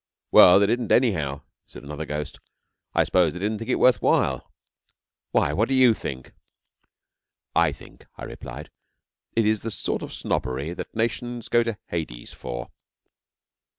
'Well, they didn't, anyhow,' said another ghost. 'I suppose they didn't think it worth while. Why? What do you think?' 'I think, I replied, 'it is the sort of snobbery that nations go to Hades for.'